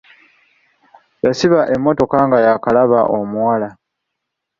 Yasiba emmotoka nga yaakalaba omuwala.